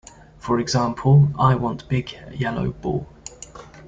For example, I want big yellow ball.